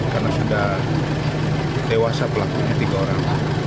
karena sudah dewasa pelakunya tiga orang